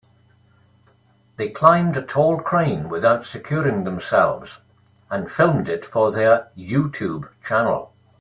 They climbed a tall crane without securing themselves and filmed it for their YouTube channel.